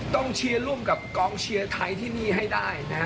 ต้องเชียวร่วมกับกองเชียวไทยที่นี่ให้ได้